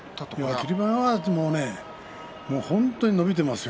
霧馬山は本当に伸びていますよ。